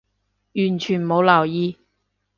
完全冇留意